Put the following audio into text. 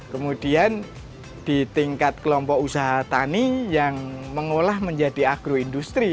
kemudian di tingkat kelompok usaha tani yang mengolah menjadi agroindustri